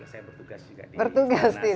saya bertugas juga di istana siak